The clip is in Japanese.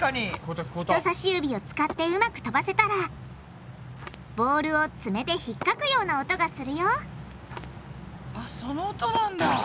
人さし指を使ってうまくとばせたらボールをツメでひっかくような音がするよその音なんだ。